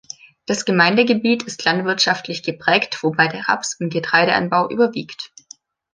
Das Gemeindegebiet ist landwirtschaftlich geprägt, wobei der Raps- und Getreideanbau überwiegt.